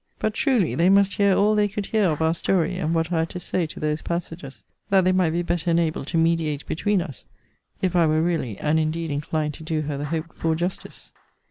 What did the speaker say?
But, truly, they must hear all they could hear of our story, and what I had to say to those passages, that they might be better enabled to mediate between us, if I were really and indeed inclined to do her the hoped for justice.